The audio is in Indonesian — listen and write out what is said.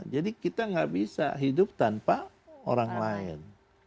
jadi kita tidak bisa hidup tanpa orang lain